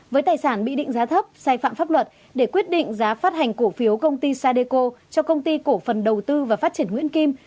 với tài sản bị định giá thấp sai phạm pháp luật để quyết định giá phát hành cổ phiếu công ty sadeco cho công ty cổ phần đầu tư và phát triển nguyễn kim